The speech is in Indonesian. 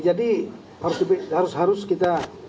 jadi harus harus kita